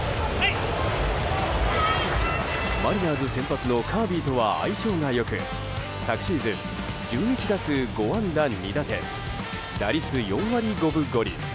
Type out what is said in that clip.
マリナーズ先発のカービーとは相性が良く昨シーズン１１打数５安打２打点打率４割５分５厘。